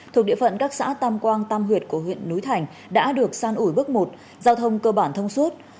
thuộc địa phận các xã tam quang tam huyệt của huyện núi thành đã được san ủi bước một giao thông cơ bản thông suốt